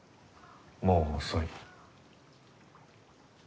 もう遅い。